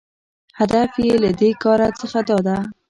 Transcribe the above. هدف یې له دې کاره څخه داده